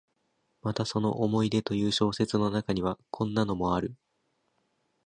またその「思い出」という小説の中には、こんなのもある。